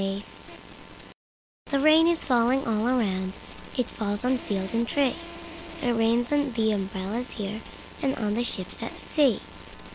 7. Rain THE RAIN is raining all around, It falls on field and tree, It rains on the umbrellas here, And on the ships at sea.